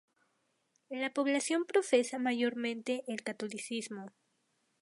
La población profesa mayormente el catolicismo.